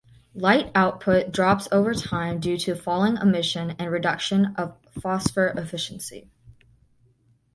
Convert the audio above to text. Light output drops over time due to falling emission and reduction of phosphor efficiency.